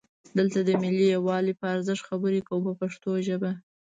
دلته د ملي یووالي په ارزښت خبرې کوو په پښتو ژبه.